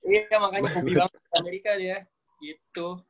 iya makanya lebih banget di amerika dia gitu